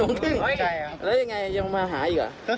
๗โมงครึ่งแล้วยังไงยังมาหาอีกหรือ